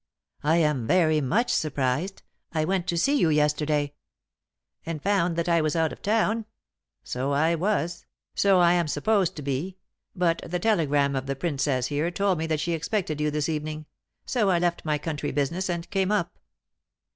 "I am very much surprised. I went to see you yesterday " "And found that I was out of town. So I was, so I am supposed to be, but the telegram of the Princess here told me that she expected you this evening, so I left my country business and came up."